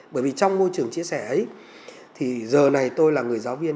bởi vì trong môi trường chia sẻ ấy thì giờ này tôi là người giáo viên